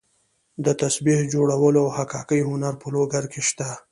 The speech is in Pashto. د تسبیح جوړولو او حکاکۍ هنر په لوګر کې شته.